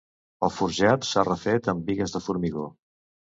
El forjat s'ha refet amb bigues de formigó.